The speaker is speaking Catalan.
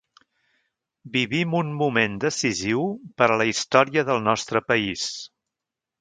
Vivim un moment decisiu per a la història del nostre país.